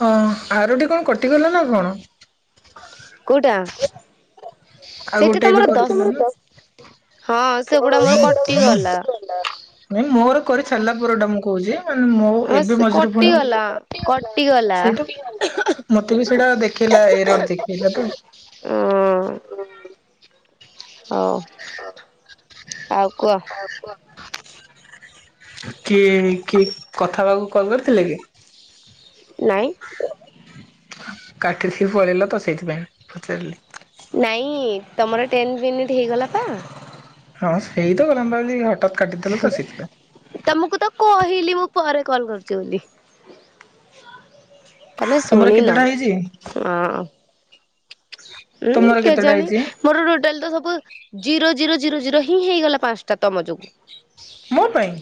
ହଁ ଆରଡି କଣ କଟିଗଲା ନା କଣ? କୋଉଟା? ଆଉ ସେଇଟା ଗୋଟେ ଏବେ ତମର ଦଶ କରିଥିଲ ହ ହଁ ମୋର ସେଗୁଡା କଣ କଟିଗଲା। କରି ନା ନାଇଁ ମୋର କରିଛାଲା ପର ଟା ମୁଁ କହୁଛି। ମୁଁ ହଁ ଏବେ ସେ ମଝିରେ ପୁଣି କଟିଗଲା କଟିଗଲା ସେଇଟା [unintelligible] ମତେ ବି ସେଇଟା ଦେଖେଇଲା ଏରର ଦେଖେଇଲା ତେ ହଁ। [unintelligible] ହଉ ଆଉ କୁହ ଆଉ କୁହ କିଏ କିଏ କଥା ହବାକୁ କଥା ହବାକୁ କଲ୍ କରିଥିଲେ କି? ନାଇଁ। କାଟିକି ପଳେଇଲ ତ ସେଇଥି ପାଇଁ ପଚାରିଲି। ନାଇଁ ତମର ଟେନ୍ ମିନିଟ୍ ହେଇଗଲାପା। ହଁ ସେଇ ତ [unintelligible] ଭାବିଲି ହଠାତ୍ କାଟିଦେଲ ତ ସେଥିପାଇଁ। ତମକୁ ତ କହିଲି ମୁଁ ପରେ କଲ୍ କରୁଛି ବୋଲି। ତମେ ତମର ଶୁଣିନ କେତେଟା ହେଇଛି? ହଁ। ହୁଁ ତମର କେତେଟା କେଜାଣି। ହେଇଛି? ମୋର ଟୋଟାଲ ତ ସବୁ ଜିରୋ ଜିରୋ ଜିରୋ ଜିରୋ ହିଁ ହେଇଗଲା ପାଞ୍ଚଟା ତମ ଯୋଗୁଁ। ମୋ ପାଇଁ!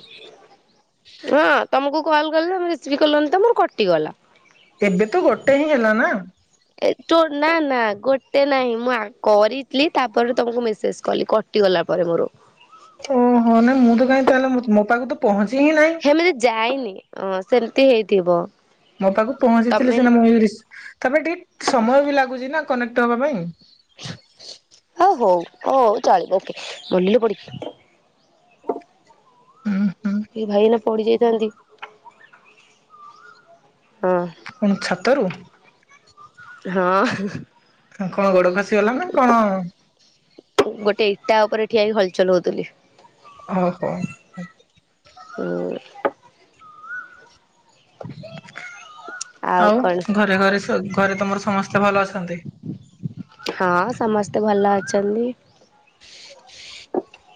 ହଁ ତମକୁ କଲ୍ କଲେ ତମେ ରେସିଭ କଲନି ତ ମୋର କଟିଗଲା। ଏବେ ତ ଗୋଟେ ହିଁ ହେଲା ନା। ଏ ତୋ ନା ନା ଗୋଟେ ନାହିଁ ମୁଁ ଆ କରିଥିଲି ତାପରେ ତମକୁ ମେସେଜ କଲି କ କଟିଗଲା ପରେ ମୋର ଓହଁ ନାଇଁ ମୁଁ ତ କାହିଁ ତାହେଲେ ମୋ ପାଖକୁ ତ ପହଞ୍ଚି ହିଁ ନାଇଁ। ହେମିତି ଯାଇନି ଅ ସେମିତି ହେଇଥିବ। ମୋ ପାଖକୁ ପହଞ୍ଚିଥିଲେ ତମେ ସିନା ମୁଁ ରି ତାପରେ ଟିକେ ସମୟ ବି ଲାଗୁଛି ନା କନେକ୍ଟ ହବା ପାଇଁ। ଆଉ ହଉ ହଉ ଚଳିବ ଓକେ ଗଲିଲ ପଡି ହୁଁ ହୁଁ ଏ ଭାଇ ଏନା ପଢି ଯାଇଥାନ୍ତି ହଁ। କଣ ଛାତରୁ ହଁ। କଣ ଗୋଡ ଖସିଗଲା ନା କଣ ଗୋଟେ ଇଟା ଉପରେ ଠିଆ ହେଇ ହଲଚଲ ହଉଥିଲି। ଓହୋ। ହୁଁ। ଆଉ ଘରେ ଘରେ ସ ଘରେ ତମର ସମସ୍ତେ ଭଲ ଅଛନ୍ତି? ହଁ ସମସ୍ତେ ଭଲ ଅଛନ୍ତି।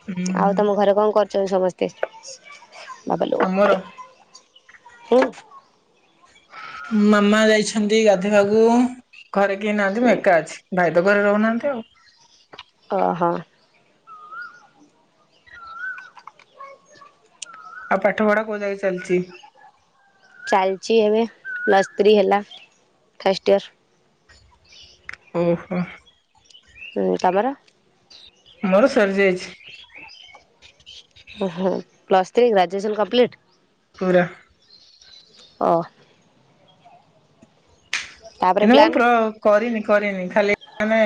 ହୁଁ ଆଉ ହୁଁ ତମ ଘରେ କଣ କରୁଛନ୍ତି ସମସ୍ତେ ବାବାଲୋ ଆମର ହୁଁ। ମାମା ଯାଇଛନ୍ତି ଗାଧେଇବାକୁ। ଘରେ କେହି ନାହାନ୍ତି ମୁଁ ଏକା ଅଛି ଭାଇ ତ ଘରେ ରହୁନାହାନ୍ତି ଆଉ। ଓହୋ। ଆଉ ପାଠ ପଢା କୋଉ ଯାଗି ଚାଲିଛି? ଚାଲିଛି ଏବେ ପ୍ଲସ୍ ଥ୍ରୀ ହେଲା ଫାଷ୍ଟ ଇୟର। ଓହୋ। ହଁ ତମର? ମୋର ସରିଯାଇଛି। ଓ ହୋ ପ୍ଲସ୍ ଥ୍ରୀ ଗ୍ରାଜୁଏସନ୍ କମ୍ପ୍ଲିଟ୍। ପୁରା। ଓ ତାପରେ କିନ୍ତୁ ମୁଁ ପ୍ଲାନ୍ ପ୍ର କରିନି କରିନି ଖାଲି ମାନେ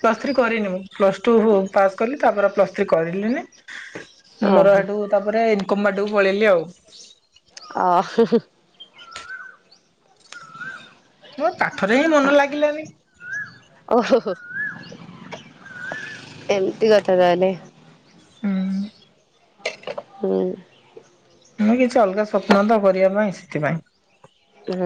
ପ୍ଲସ୍ ଥ୍ରୀ କରିନି ମୁଁ ପ୍ଲସ ଟୁ ପାସ୍ କଲି ତାପରେ ପ୍ଲସ ଥ୍ରୀ କରିଲିନି। ମୋର ଓହୋ ହେଠୁ ତାପରେ ଇନକମ ବାଟକୁ ପଳେଇଲି ଆଉ। ହୁଁ ହୁଁ। ମୋ ପାଠରେ ହିଁ ମନ ଲାଗିଲାନି। ଓହୋ ଏମିତି କଥା ତାହେଲେ। ହୁଁ। ହୁଁ। ମୁ କିଛି ଅଲଗା ସ୍ୱପ୍ନ ତ କରିବା ପାଇଁ ସେଥିପାଇଁ। ହୁଁ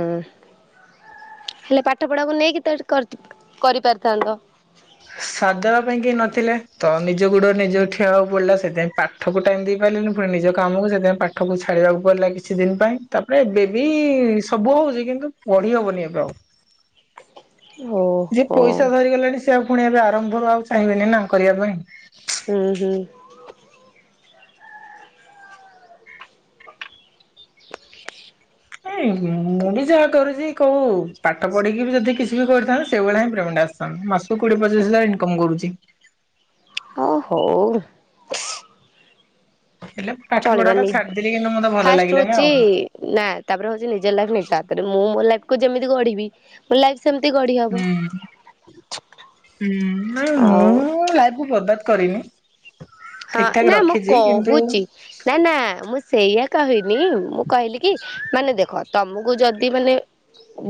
ହେଲେ ପାଠ ପଢାକୁ ନେଇକ ତେ କରିପାରିଥାନ୍ତ। ହ ସାଥଦବା ପାଇଁ କେହି ନଥିଲେ ତ ନିଜ ଗୋଡ ନିଜ ଠିଆବାକୁ ପଡିଲା ସେଥିପାଇଁ ପାଠକୁ ଟାଇମ ଦେଇ ପାଇଲିନି ନିଜ କାମକୁ ସେଥିପାଇଁ ପାଠକୁ ଛାଡିବାକୁ ପଡିଲା କିଛି ଦିନ ପାଇଁ ତାପରେ ଏବେ ବି ସବୁ ହଉଚି କିନ୍ତୁ ପଢି ହବନି ଏବେ ଆଉ। ହଉ। ଯିଏ ପଇସା ଧରିଗଲାଣି ସେ ଆଉ ପୁଣି ଏବେ ଆରମ୍ଭରୁ ଆଉ ଚାହିଁବେନି ନା କରିବା ପାଇଁ। ହୁଁ ହୁଁ। ନାଇଁ ମୁଁ ବି ଯାହା କରୁଛି କୋଉ ପାଠ ପଢିକି ବି ଯଦି କିଛି ବି କରିଥାନ୍ତି ସେଇଭଳିଆ ହିଁ ପ୍ରେମେଣ୍ଟ ଆସ ହଁ ମୁଁ ମାସକୁ କୋଡିଏ ପଚିଶି ହଜାର ଇନକମ କରୁଚି। ହଁ ହଉ। ହେଲେ ପାଠ ପଢା ଟା ଚଳିବନି ଛାଡିଦେଲି କିନ୍ତୁ ମତେ ଭଲ ଲାଗିଲାନି ଆଉ। ନାଁ ତାପରେ ହଉଚି ନିଜ ଲାଇଫ୍ ନିଜରେ ହାତରେ ମୁଁ ମୋ ଲାଇଫ କୁ ଯେମିତି ଗଢିବି ମୋ ଲାଇଫ ସେମିତି ହୁଁ ଗଢ଼ିହବ। ହୁଁ ନାଇ ମୁଁ ଆଉ ମୋ ଲାଇଫ ବର୍ବାଦ କରିନି। ହଁ ଠିକ ଠାକ ନା ରଖ ମୁଁ ରଖିଛି କିନ୍ତୁ ଉଁ କହୁଚି ନା ନା ମୁଁ ସେଇଆ କହିନି ମୁଁ କହିଲି କି ମାନେ ଦେଖ ତମକୁ ଯଦି ମାନେ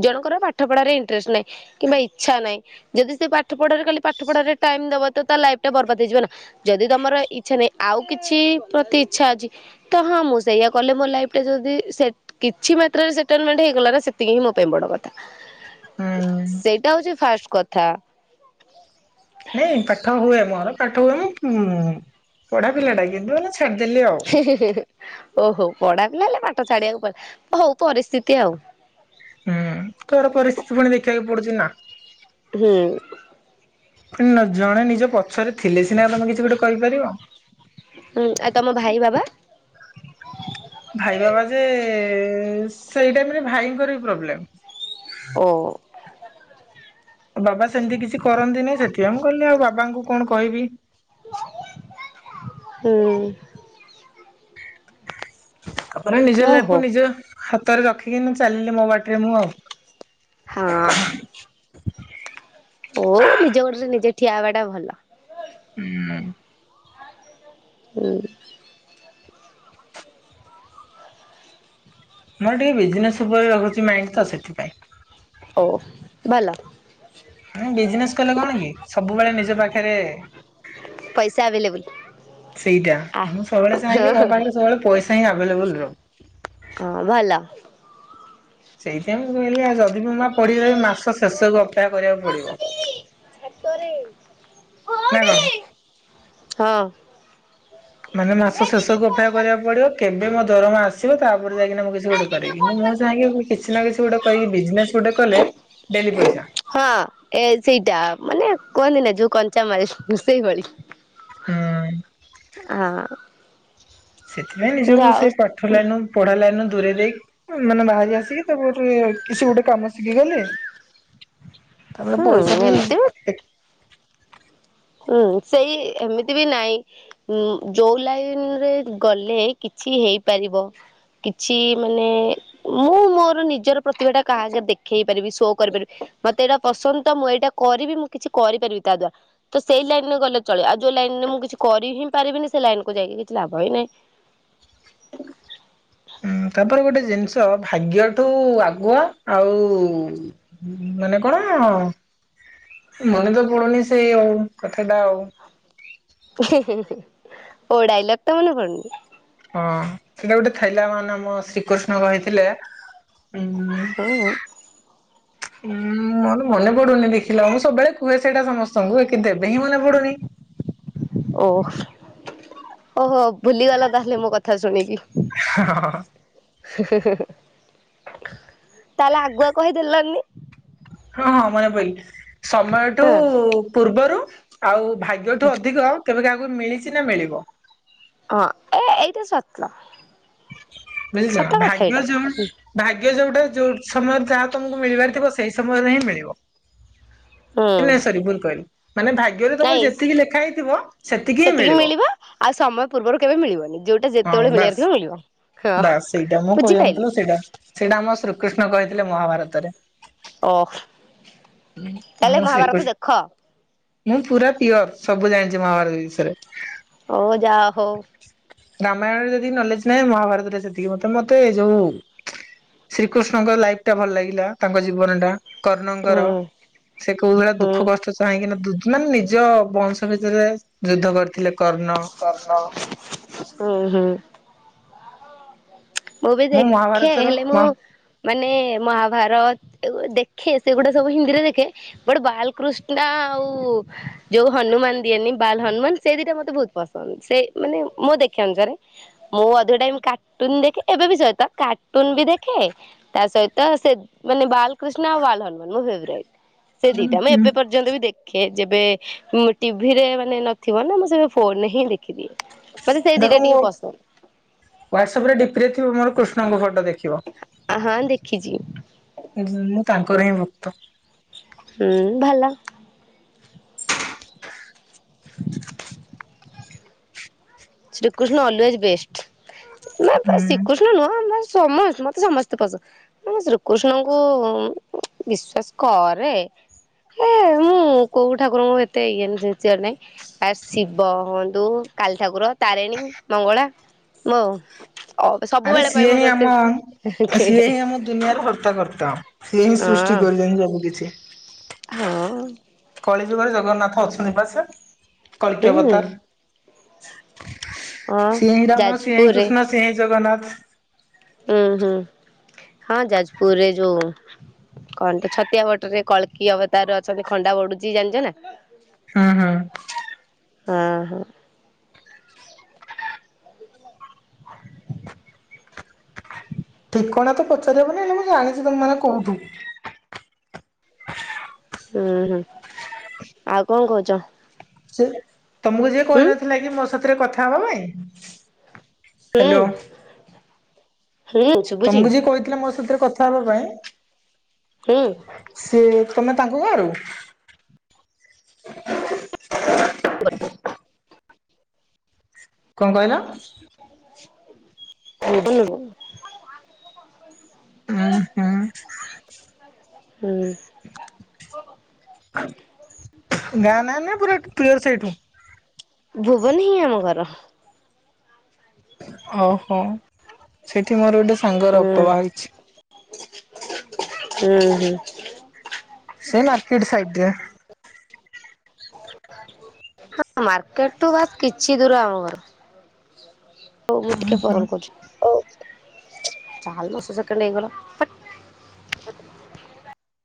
ଜଣଙ୍କର ପାଠ ପଢାରେ ଇଣ୍ଟରେଷ୍ଟ ନାହିଁ। କିମ୍ବା ଇଚ୍ଛା ନାହିଁ ଯଦି ସେ ପାଠ ପଢାରେ ଖାଲି ପାଠ ପଢାରେ ଟାଇମ ଦବ ତ ତା ଲାଇଫ ଟା ବର୍ବାଦ ହେଇଯିବ ନା। ଯଦି ତମର ଇଚ୍ଛା ନାହିଁ ଆଉ କିଛି ପ୍ରତି ଇଚ୍ଛା ଅଛି ତ ହଁ ମୁଁ ସେଇଆ କଲେ ମୋ ଲାଇଫ ଟା ଯଦି ସେ କିଛି ମାତ୍ରାରେ ସେଟଲମେଣ୍ଟ ହେଇଗଲା ନା ସେତିକି ହିଁ ମୋ ପାଇଁ ବଡ କଥା। ସେଇଟା ହଉଛି ଫାଷ୍ଟ କଥା। ନାଇଁ ପାଠ ହୁଏ ମୋର ପାଠ ହୁଏ ମୁଁ ପଢା ପିଲାଟା କିନ୍ତୁ ହେଲେ ଛାଡ଼ିଦେଲି ଆଉ। ହେ ହେ ହେ ଓହୋ ପଢା ପିଲା ହେଲେ ପାଠ ଛାଡିବାକୁ ପଇଲା ହଉ ପରିସ୍ଥିତି ଆଉ। ହୁଁ ତ ଇଡେ ପରିସ୍ଥିତି ପୁଣି ଦେଖିବାକୁ ପଡୁଛି ନା। ହୁଁ। ଜଣେ ନିଜ ପଛରେ ଥିଲେ ସିନା ତମେ କିଛି ଗୋଟେ କହିପାରିବ। ହଁ ଆଉ ତମ ଭାଇ ବାବା। ଭାଇ ବାବା ଯେ ସେଇ ଟାଇମରେ ଭାଇଙ୍କର ବି ପ୍ରୋବ୍ଲେମ ଓ ଆ ବାବା ସେମିତି କିଛି କରନ୍ତି ନାଇଁ ସେଥିପାଇଁ ମୁଁ କହିଲିି ଆଉ ବାବାଙ୍କୁ କଣ କହିବି। ହୁଁ। ତା ପରେ ନିଜ ଓହୋ। ଲାଇଫକୁ ନିଜ ହାତରେ ରଖିକି ମୁଁ ଚାଲିଲେ ମୋ ବାଟରେ ମୁଁ ଆଉ। ହଁ। ଓ ନିଜ ଗୋଡରେ ନିଜେ ଠିଆ ହେବା ଟା ଭଲ। ହୁଁ। ହୁଁ। ମୋର ଟିକେ ବିଜନେସ୍ ଉପରେ ରହୁଚି ମାଇଣ୍ଡ ତ ସେଥିପାଇଁ ଓଃ ଭଲ। ହୁଁ ବିଜନେସ୍ କଲେ କଣ କି ସବୁବେଳେ ନିଜ ପାଖରେ ପଇସା ଆଭେଲେବଲ। ସେଇଟା ମୁଁ ସବୁବେଳେ ଚାହେଁ କି ମୋ ହଁ ପାଖରେ ସବୁବେଳେ ପଇସା ହିଁ ଆଭେଲେବଲ ରହୁ। ହଁ ଭଲ। ସେଇଥିପାଇଁ ମୁଁ କହିଲି ଆଉ ଯଦି ବି ମୁଁ ପଡି ରହିବି ମାସ ଶେଷକୁ ଅପେକ୍ଷା କରିବାକୁ ପଡିବ। ନା କଣ? ହଁ। ମାନେ ମାସ ଶେଷକୁ ଅପେକ୍ଷା କରିବାକୁ ପଡ଼ିବ। କେବେ ମୋ ଦରମା ଆ ତା'ପରେ ଯାଇକିନା ମୁଁ କିଛି ଗୋଟେ କରିବି, ମୁଁ ଚାହେଁକି କିଛି ନା କିଛି ଗୋଟେ ବିଜନେସ୍‌ ଗୋଟେ କଲେ। ଡ଼େଲି ପଇସା। ହଁ ଏ ସେଇଟା, ମାନେ କୁହନ୍ତି ନା ଯଉ କଞ୍ଚା ମାଲ୍ ସେଇଭଳି। ହୁଁ [inaudible] ସେଥିପାଇଁ କିନ୍ତୁ ନିଜକୁ ଆଉ ସେ ପାଠ ଲାଇନ୍‌ ପଢ଼ା ଲାଇନ୍ ରୁ ଦୂରେଇ ମାନେ ବାହାରି ଆସିକି, କିସି--------ଗୁଟେ କାମ ଶିଖିଗଲି। ତା'ପରେ ପଇସା ହୁଁ ବି ଏମିତି ହୁଁ, ସେଇ ଏମିତି ବି ନାଇ। ଯଉ ଲାଇନ୍‌ ରେ ଗଲେ କିଛି ହେଇପାରିବ। କିଛି ମାନେ ମୁଁ ମୋର ନିଜର ପ୍ରତିଭା ଟା କାହା ଦେଖେଇ ପାରିବି, ସୋ କରିପାରିବି। ମତେ ଏଟା ପସନ୍ଦ୍ ତ ମୁଁ ଏଟା କରିବି, ମୁଁ କିଛି କରିପାରିବି ତା ତ ସେଇ ଲାଇନ୍‌ ରେ ଗଲେ ଚଳିବ, ଆଉ ଯଉ ଲାଇନ୍‌ ରେ ମୁଁ କିଛି କରି ହିଁ ପାରିବିନି, ସେ ଲାଇନକୁୁ ଜାଇକି କିଛି ଲାଭ ହିଁ ନାହିଁ। ତା'ପରେ ଗୋଟେ ଜିନ୍‌ଷ ଭାଗ୍ୟଠୁ ଆଗୁଆ ଆଉ ମାନେ କ'ଣ, ମନେ ତ ପଡୁନି ସେଇ କଥାଟା ଆଉ। [inaudible] ହଁ, ସେଇଟା ଗୋଟେ ଇଲା ମାନେ ଆମ ଶ୍ରୀକୃଷ୍ଣ କହିଥିଲେ। [inaudible] ହଁ ମର ମନେ ପଡୁନି ଦେଖିଲ, ମୁଁ ସବ୍ ବେଳେ କୁହେ ସେଇଟା ସମସ୍ତଙ୍କୁ କିନ୍ତୁ ଏବେ ହିଁ ମନେ ପଡୁନି। ଓହୋ ଭୁଲିଗଲା ତା'ହେଲେ ମୋ କଥା ଶୁଣିକି। [inaudible] ତା'--ଲେ ଆଗୁଆ କହି ଦେଲନି। ହଁ ହଁ, ମନେ ସମୟଠୁ ହଁ ପୂର୍ବରୁ ଆଉ ଭାଗ୍ୟଠୁ ଅଧିକ କେବେ କାହାକୁ ମିଳିଚି ନା ମିଳିବ। ହଁ, ଏ ଏଇଟା ସତ। ସତ [inaudible] କଥା ଭାଗ୍ୟ ଏଇଟା ହୁଁ ଯଉଟା, ଯଉ ସମୟରେ ଯାହା ତମକୁ ମିଳିବାର୍ ଥିବ ସେଇ ସମୟରେ ହିଁ ମିଳିବ। ନା--ସରି ଭୁଲ୍ କହିଲି, ମାନେ ଭାଗ୍ୟରେ ତମର ନାଇଁ ଯେତିକି ଲେଖା ହେଇଥିବ, ସେତିକି ହି ମିଳିବ। ଆଉ ସମୟ ପୂର୍ବରୁ କେବେ ମିଳିବନି। ଯଉଟା ହଁ ଯେତବଳେ ମିଳିବାର ବାସ୍ ଥିବ, ମିଳିବ ବାସ୍ ସେଇଟା ମୁଁ ହଁ କହିବା ବୁଝିପାଇଲିି। ମତଲବ ସେଇଟା ସେଇଟା ଆମ ଶ୍ରୀକୃଷ୍ଣ କହିଥିଲେ, ମହାଭାରତରେ। [inaudible] ତାହେଲେ ମହାଭାରତ ଦେଖ। [inaudible] ମୁଁ ପୁରା ପିଅର୍, ସବୁ ଜାଣିଚି ମହାଭାରତ ବିଷରେ। [inaudible] ରାମାୟଣରେ ଯେତିକି ନଲେଜ୍‌ ନାହିଁ, ମହାଭାରତରେ ସେତିକି-------ମତେ ଯଉ ଶ୍ରୀକୃଷ୍ଣଙ୍କ ଲାଇପ୍ ଟା ଭଲ୍ ଲାଗିଲା ତାଙ୍କ ଜୀବ ଟା। କର୍ଣ୍ଣଙ୍କ ହୁଁ ର ସେ କଉ ଭଳିଆ ହୁଁ ଦୁଃଖ କଷ୍ଟ କାହିଁକିନା ନିଜ ବଂଶ ଭିତରେ ଯୁଦ୍ଧ କରିଥିଲେ କର୍ଣ୍ଣ। [inaudible] ମୁଁ ବି ଦେଖେ, ହେଲେ ମୁଁ ମାନେ ମହାଭାରତ୍ ଦେଖେ ସେଗୁଡ଼ା ସବୁ ହିନ୍ଦୀରେ ଦେଖେ। ବାଲ୍ ଆଉ ଯଉ ହନୁମାନ ଦିଏନି ବାଲ୍ ହନୁମାନ୍ ସେ ଦିଟା ମତେ ବହୁ ପସନ୍ଦ୍, ସେ ମାନେ ମୁଁ ଦେଖିବା ଅନୁସାରେ ମୁଁ ଅଧିକ ଟାଇମ୍ କାଟୁନ୍‌ ଦେଖେ। ଏବେ ବି ସଇତ କାଟୁନ୍‌ ବି ଦେଖେ। ତା' ସଇତ ମାନେ ବାଲ୍ କୃଷ୍ଣ ଆଉ ବାଲ୍ ହନୁମାନ୍‌ ମୋ ଫେବ୍ରାଇଟ୍ ସେ ଦିଟା। ମୁଁ ଏବେ ପର୍ଯ୍ୟନ୍ତ ବି ଦେଖେ, ଯେବେ ଟିଭିରେ ମାନେ ନଥିବ ନା। ମୁଁ ଫୋନ୍‌ ରେ ହିଁ ଦେ ଦେଖିଦିଏ, ମତେ ସେଇ ଦିଟା ଟିକେ ପସନ୍ଦ୍। ୱାଟ୍ସଅପ୍ ରେ ଡ଼ିପିରେ ଥିବ, ମୋର କୃଷ୍ଣଙ୍କ ଫଟୋ ଦେଖିବ। ଅ ହଁ ଦେଖିଛି। ମୁଁ ତାଙ୍କର ହିଁ ଭକ୍ତ। ହୁଁ ଭଲ। ଶ୍ରୀକୃଷ୍ଣ ଅଲୱେଜ ବେଷ୍ଟ ନା ତା ହୁଁ ଶ୍ରୀକୁସ ନ ନୁହଁ ମତେ ସମସ୍ ମତେ ସମସ୍ତେ ପସନ୍ଦ। ମୁଁ ଶ୍ରୀକୃଷ୍ଣଙ୍କୁ ଉଁ ଉଁ ବିଶ୍ଵାସ କରେ। ଏ ମୁଁ କୋଉ ଠାକୁରଙ୍କୁ ଏତେ ଇଏ ପୂଜିଆର ନାଇ। ଆ ଶିବ ହୁଅନ୍ତୁ କାଳୀ ଠାକୁର ତାରିଣୀ, ମଙ୍ଗଳା ବୋ। ଆରେ ସିଏ ହିଁ ଆମ। ସିଏ ହିଁ ଆମ ଦୁନିଆରେ ହର୍ତ୍ତା କର୍ତ୍ତା ସିଏ ହିଁ ହଁ ସୃଷ୍ଟି କରିଛନ୍ତି ସବୁ କିଛି। ହଁ। କଳି ଯୁଗରେ ଜଗନ୍ନାଥ ଅଛନ୍ତି ପା ସେ ହୁଁ କଳକିଅବତାର। ହଁ ସିଏ ହିଁ ରାମ ସିଏ ହିଁ ଯାଜପୁରରେ କୃଷ୍ଣ ସିଏ ହିଁ ଜଗନ୍ନାଥ। ଉଁ ହୁଁ ହଁ ଯାଜପୁରରେ ଯୋଉ। କଣ ତ ଛତିଆ ବଟରେ କଳକି ଅବତାର ଅଛନ୍ତି। ଖଣ୍ଡା ବଢ଼ୁଛି ଜାଣିଛ ନା? ହୁଁ ହୁଁ। ହଁ ହଁ। [inaudible] ଠିକଣା ତ ପଚାରି ହବନି ହେଲେ ମୁଁ ଜାଣିଛି ତମ ମାନେ କଉଠୁ। ହୁଁ ହୁଁ। ଆଉ କଣ କହୁଛ? ସେ ତମକୁ ଯିଏ ହୁଁ କହିନଥିଲା କି ମୋ ସାଥିରେ କଥା ହବା ପାଇଁ। ହ୍ୟାଲୋ ହୁଁ ହୁଁ ଶୁଭୁଛି ତମକୁ ଯିଏ କହିଥିଲେ ମୋ ସାଥିରେ କଥା ହବା ପାଇଁ। ହୁଁ। ସିଏ ତମେ ତାଙ୍କ ଗାଁରୁ। [unintelligible] କଣ କହିଲ? କଉଠି ହେଇଥିବ। ଉଁ ହୁଁ। ହୁଁ ଗାଁ ନା ନା ପୁରା ପ୍ରିୟର ସେଇଠୁ। ଭୁବନ ହିଁ ଆମ ଘର। ଓହୋ ସେଇଠି ମୋର ଗୋଟେ ସାଙ୍ଗର ଅପା ବାହା ହେଇଛି। ଉଁ ହୁଁ। ସେ ମାର୍କେଟ ସାଇଡ ରେ। ହଁ ମାର୍କେଟ ଠୁ ବାସ୍ କିଛି ଦୂର ଆମ ଘର। ହଉ ମୁଁ ଟିକେ ପରେ ଲ କରୁଛି ଚାଲସ ସେକେଣ୍ଡ ହେଇଗଲା ପ [inaudible]